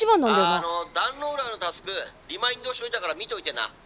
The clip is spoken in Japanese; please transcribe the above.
「あの壇ノ浦のタスクリマインドしといたから見といてな」。